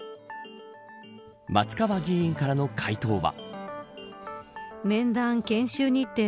松川議員からの回答は。